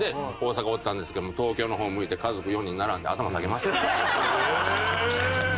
大阪おったんですけども東京の方向いて家族４人並んで頭下げました。